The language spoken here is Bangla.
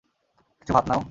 কিছু ভাত নাও?